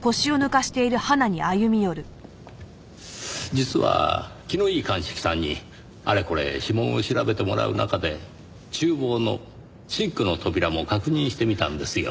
実は気のいい鑑識さんにあれこれ指紋を調べてもらう中で厨房のシンクの扉も確認してみたんですよ。